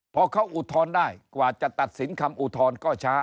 พอเขาอุทธรณ์ได้กว่าจะตัดสินคำอุทธรณ์ก็ช้า